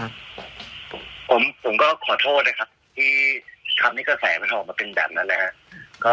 ผมก็ขอโทษนะครับที่ทรัพย์นี้กระแสไม่ถอดมาเป็นแบบนั้นนะครับ